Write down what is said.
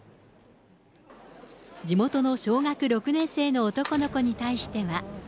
地元の小学６年生の男の子に対しては。